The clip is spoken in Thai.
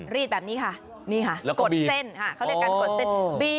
รีดแบบนี้ค่ะนี่ค่ะกดเส้นค่ะเขาเรียกการกดเส้นบี้